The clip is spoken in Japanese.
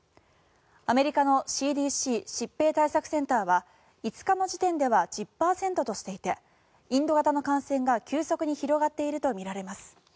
アメリカのＣＤＣ・疾病対策センターは５日の時点では１０％としていてインド型の感染が急速に広がっているとみられます。